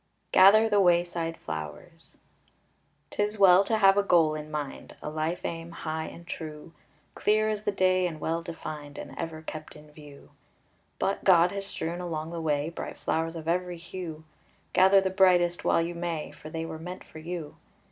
GATHER THE WAYSIDE FLOWERS 'Tis well to have a goal in mind, A life aim, high and true; Clear as the day, and well defined, And ever kept in view. But God has strewn along the way Bright flowers of every hue. Gather the brightest while you may, For they were meant for you.